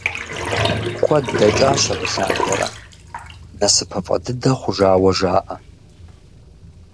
Куэд дэкӏащ абы лъандэрэ, насыпыфӏэ дыдэ хъужауэ жаӏэ.